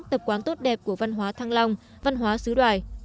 tập quán tốt đẹp của văn hóa thăng long văn hóa xứ đoài